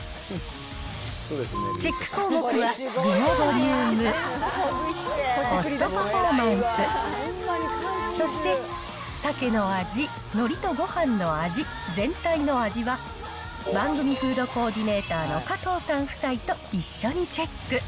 チェック項目は、具のボリューム、コストパフォーマンス、そしてサケの味、のりとごはんの味、全体の味は、番組フードコーディネーターの加藤さん夫妻と一緒にチェック。